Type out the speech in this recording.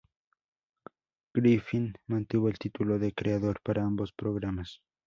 Griffin mantuvo el título de creador para ambos programas.